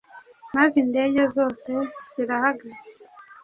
Maze indege zose zirahagaze.